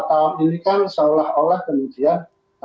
nah dalam beberapa tahun ini kan seolah olah kemudian